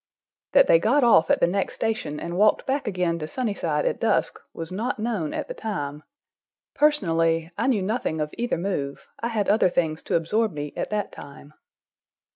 That they got off at the next station and walked back again to Sunnyside at dusk, was not known at the time. Personally, I knew nothing of either move; I had other things to absorb me at that time.